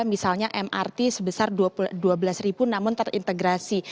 misalnya mrt sebesar rp dua belas namun terintegrasi